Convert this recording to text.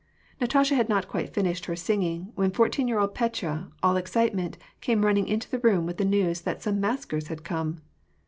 Natasha had not quite finished her singing, when fourteen year old Petya, all excitement, came running into the room with the news that some maskers had come.